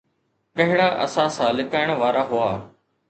ڪهڙا اثاثا لڪائڻ وارا هئا؟